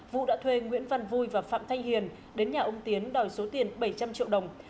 vũ đã thuê nguyễn văn vui và phạm thanh hiền đến nhà ông tiến đòi số tiền bảy trăm linh triệu đồng